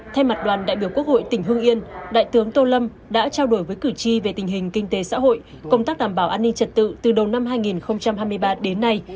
thay mặt đoàn đại biểu quốc hội tỉnh hương yên đại tướng tô lâm đã trao đổi với cử tri về tình hình kinh tế xã hội công tác đảm bảo an ninh trật tự từ đầu năm hai nghìn hai mươi ba đến nay